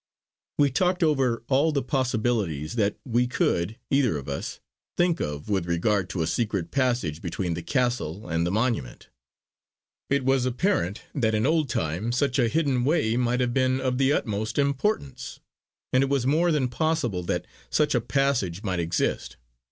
We talked over all the possibilities that we could either of us think of with regard to a secret passage between the castle and the monument. It was apparent that in old time such a hidden way might have been of the utmost importance; and it was more than possible that such a passage might exist.